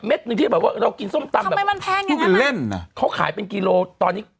เม็ดหนึ่งที่แบบว่าเรากินส้มตำแบบมันแพงยังไงบ้างเขาขายเป็นกิโลตอนนี้